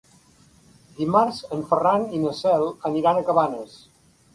Dimarts en Ferran i na Cel aniran a Cabanes.